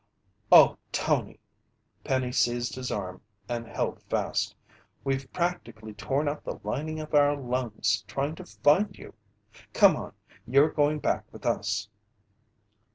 "Oh, Tony!" Penny seized his arm and held fast. "We've practically torn out the lining of our lungs, trying to find you! Come on! You're going back with us!"